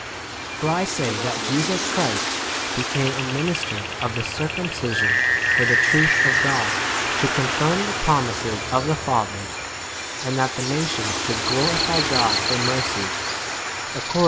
8 For 2 I say that Jesus a Christ became a minister of [the] cir cumcision for [the] truth of God, to confirm the promises of the fa 9 thers ; and that the nations should glorify God for mercy ; according v T.